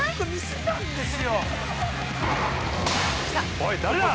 ◆おい、誰だ！